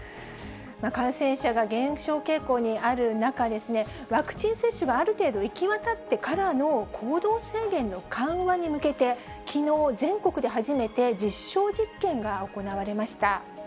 感染者が減少傾向にある中、ワクチン接種がある程度、行き渡ってからの行動制限の緩和に向けて、きのう、全国で初めて実証実験が行われました。